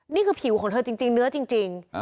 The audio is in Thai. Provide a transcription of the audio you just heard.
นี่คือผิวของเธอจริงเนื้อจริง